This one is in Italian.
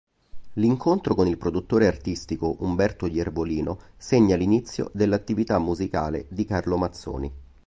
L'incontro con il produttore artistico Umberto Iervolino segna l'inizio dell'attività musicale di Carlo Mazzoni.